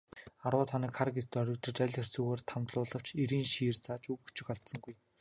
Арваад хоног хар гэрт хоригдож, аль хэцүүгээр тамлуулавч эрийн шийр зааж үг өчиг алдсангүй.